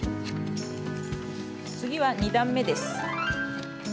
次は２段めです。